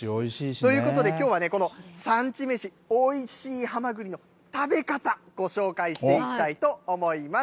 ということで、きょうはね、産地めし、おいしいはまぐりの食べ方、ご紹介していきたいと思います。